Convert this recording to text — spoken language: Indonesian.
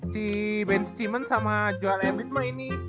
si benz cimen sama joel edwin mah ini